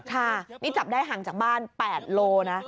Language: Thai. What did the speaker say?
ค่ะนี่จับได้ห่างจากบ้าน๘โลนะ